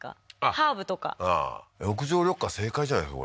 ハーブとか屋上緑化正解じゃないですか？